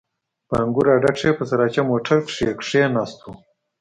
په انګور اډه کښې په سراچه موټر کښې کښېناستو.